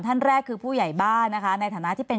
ท่านแรกคือผู้ใหญ่บ้านนะคะในฐานะที่เป็น